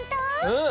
うん。